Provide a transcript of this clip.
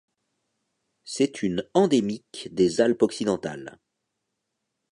C'est une endémique des Alpes occidentales.